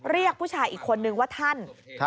เรียกผู้ชายอีกคนนึงว่าท่าน